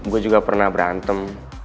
gue juga pernah berantem